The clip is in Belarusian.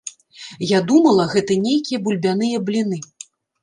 Я думала, гэта нейкія бульбяныя бліны.